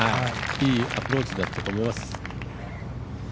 いいアプローチだったと思います。